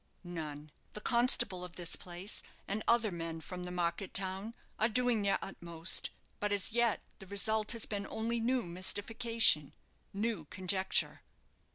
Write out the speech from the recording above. "None. The constable of this place, and other men from the market town, are doing their utmost; but as yet the result has been only new mystification new conjecture."